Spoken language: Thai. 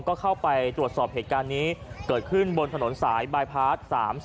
ก็เข้าไปตรวจสอบเหตุการณ์นี้เกิดขึ้นบนถนนสายบายพาร์ท๓๔